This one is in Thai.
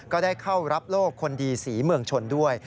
ก็ได้เข้ารับโลกคนดีศรีเมืองชนด้วย